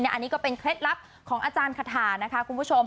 อันนี้ก็เป็นเคล็ดลับของอาจารย์คาถานะคะคุณผู้ชม